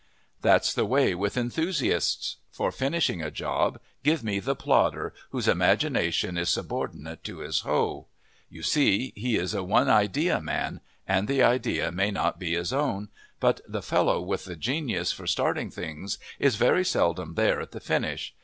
That's the way with enthusiasts. For finishing a job, give me the plodder whose imagination is subordinate to his hoe. You see, he is a one idea man, and the idea may not be his own; but the fellow with the genius for starting things is very seldom there at the finish.